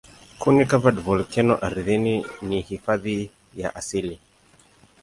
Kuni-covered volkeno ardhini ni hifadhi ya asili.